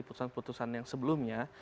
keputusan putusan yang sebelumnya